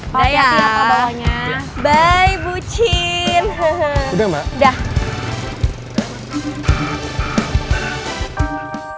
pak hati hati ya pak bawahnya